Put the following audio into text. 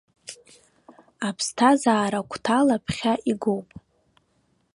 Аԥсҭазаара агәҭала ԥхьа игоуп.